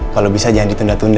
kalau bisa jangan ditunda tunda